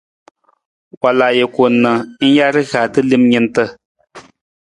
Wal ajuku ta na ng ja rihaata lem jantna.